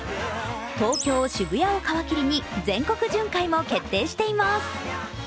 東京・渋谷を皮切りに全国巡回も決定しています。